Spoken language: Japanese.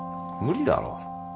無理だろ。